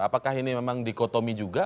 apakah ini memang dikotomi juga